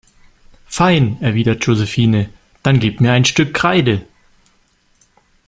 Fein, erwidert Josephine, dann gib mir ein Stück Kreide.